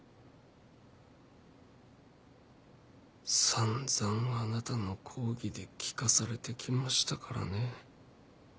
散々あなたの講義で聞かされてきましたからね。